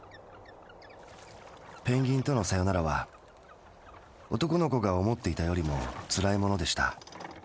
ペンギンとのサヨナラは男の子が思っていたよりもつらいものでした。